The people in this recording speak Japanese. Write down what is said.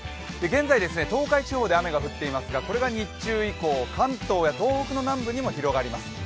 現在、東海地方で雨が降っていますが、これが日中以降、関東や東北にも広がります。